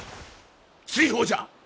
追放じゃ！